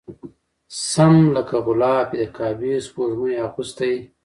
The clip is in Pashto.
سم لکه غلاف وي د کعبې سپوږمۍ اغوستی